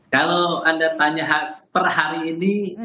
kalau anda tanya per hari ini